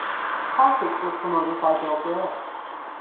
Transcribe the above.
The concerts were promoted by Bill Graham.